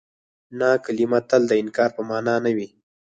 نه کلمه تل د انکار په مانا نه وي.